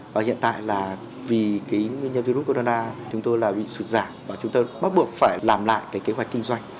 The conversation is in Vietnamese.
và hiện tại là vì cái virus corona chúng tôi là bị sụt giảm và chúng tôi bắt buộc phải làm lại cái kế hoạch kinh doanh